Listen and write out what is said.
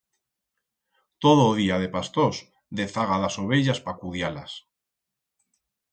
Todo o día de pastors dezaga d'as ovellas pa cudiar-las.